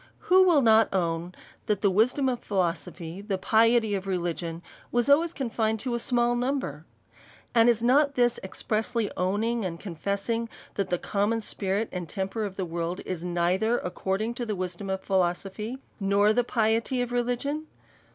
Who will not own, that the wisdom of philosophy, the piety of religion, was always confined to a small number? And is not this expressly owning and con fessing, that the common spirit and temper of the world, is neither according to the wisdom of philoso phy, nor the piety of religion?